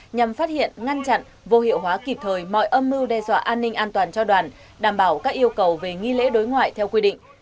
nhằm phát hiện ngăn chặn vô hiệu hóa kịp thời mọi âm mưu đe dọa an ninh an toàn cho đoàn đảm bảo các yêu cầu về nghi lễ đối ngoại theo quy định